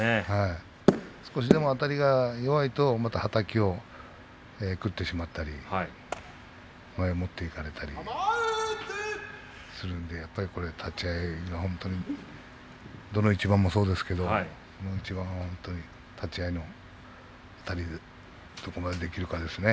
少しでもあたりが弱いとはたきを食ってしまったり前へ持っていかれたりするんでやっぱり立ち合いが本当にどの一番もそうですがこの一番は、特に立ち合いのあたりがどこまでできるかですね。